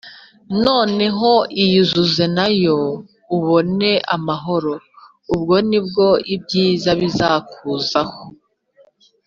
“noneho iyuzuze na yo ubone amahoro, ubwo ni bwo ibyiza bizakuzaho